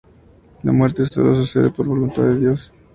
La muerte solo sucede por voluntad de Dios.